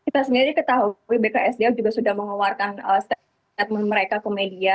kita sebenarnya ketahui bksda juga sudah mengeluarkan statement mereka ke media